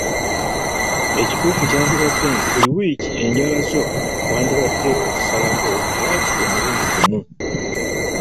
Ekituufu kyandibadde nti buli wiiki enjala zo wandibadde ozisalako waakiri omulundi gumu.